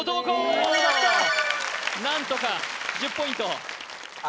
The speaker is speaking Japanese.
よかった何とか１０ポイント